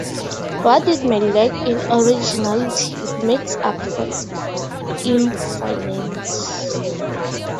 What it may lack in originality it makes up for in finesse.